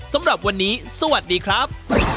สำหรับวันนี้สวัสดีครับ